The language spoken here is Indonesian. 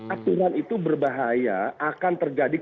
aturan itu berbahaya akan terjadi